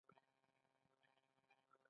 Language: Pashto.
ګوګل او انټرنټ خپل خدمات په روسې باندې پري کوي.